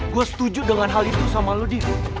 gue setuju dengan hal itu sama lo d